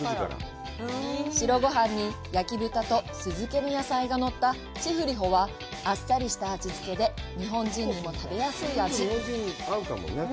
白ごはんに、焼き豚と酢漬けの野菜が載ったチフリホはあっさりした味付けで日本人にも食べやすい味。